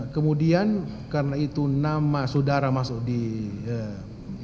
kemudian karena itu nama saudara masuk di indonesia